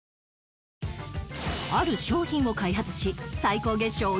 ある商品を開発し最高月商